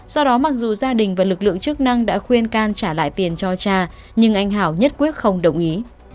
do đó mặc dù gia đình và lực lượng chức năng đã khuyên can trả lại tiền cho cha nhưng anh hảo nhất quyết không đồng ý